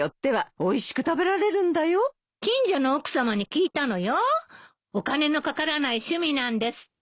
お金のかからない趣味なんですって。